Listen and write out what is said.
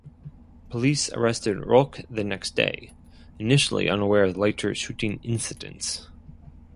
Police arrested Roque the next day, initially unaware of the later shooting incidents.